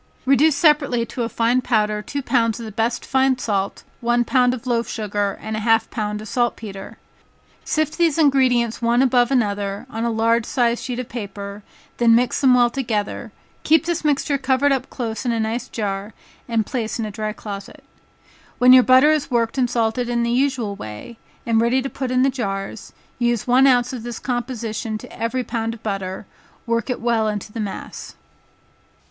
Reduce separately to a fine powder two pounds of the best fine salt, one pound of loaf sugar and half a pound of saltpetre. Sift these ingredients one above another, on a large sized sheet of paper, then mix them well together, keep this mixture covered up close in a nice jar, and placed in a dry closet. When your butter is worked and salted in the usual way, and ready to put in the jars, use one ounce of this composition to every pound of butter, work it well into the mass.